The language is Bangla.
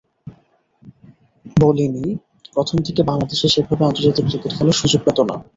বলে নিই, প্রথম দিকে বাংলাদেশে সেভাবে আন্তর্জাতিক ক্রিকেট খেলার সুযোগ পেত না।